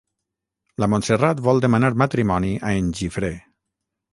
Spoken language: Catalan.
La Montserrat vol demanar matrimoni a en Gifré.